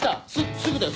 すぐだよ！